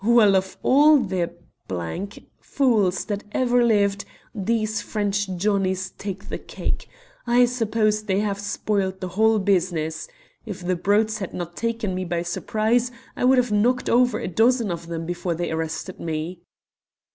"Well, of all the fools that ever lived, these French Johnnies take the cake. I suppose that they have spoiled the whole business! If the brutes had not taken me by surprise I would have knocked over a dozen of them before they arrested me."